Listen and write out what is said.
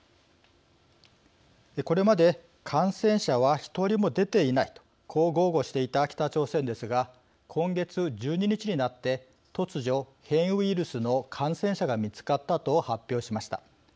これまで感染者は一人も出ていないとこう豪語していた北朝鮮ですが今月１２日になって、突如変異ウイルスの感染者が見つかったと発表しました。